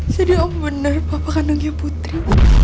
jadi om bener papa kan nunggu putri